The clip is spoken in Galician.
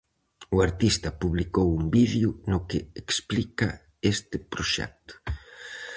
O artista publicou un vídeo no que explica este proxecto.